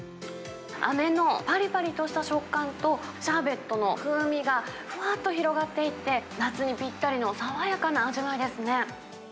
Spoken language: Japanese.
あめのぱりぱりとした食感と、シャーベットの風味がふわっと広がっていて、夏にぴったりの爽やかな味わいですね。